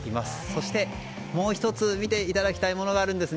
そして、もう１つ見ていただきたいものがあるんです。